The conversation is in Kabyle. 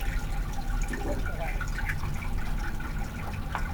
Fakeɣ-am-t.